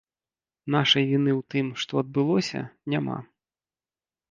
Нашай віны ў тым, што адбылося, няма.